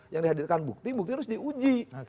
yang dihadirkan bukti bukti harus di uji